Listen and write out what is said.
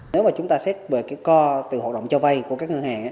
nếu mà chúng ta xét về cái co từ hoạt động cho vay của các ngân hàng